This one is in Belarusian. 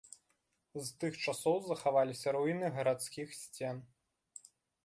З тых часоў захаваліся руіны гарадскіх сцен.